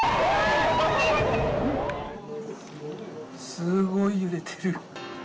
すごい揺れてる。